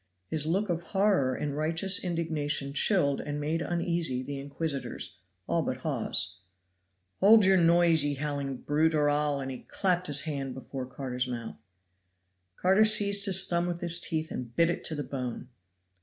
His look of horror and righteous indignation chilled and made uneasy the inquisitors, all but Hawes. "Hold your noise, ye howling brute, or I'll" and he clapped his hand before Carter's mouth. Carter seized his thumb with his teeth and bit it to the bone.